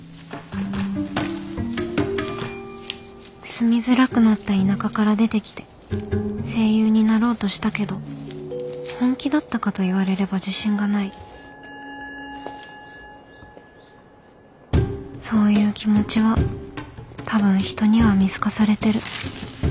住みづらくなった田舎から出てきて声優になろうとしたけど本気だったかと言われれば自信がないそういう気持ちは多分人には見透かされてる。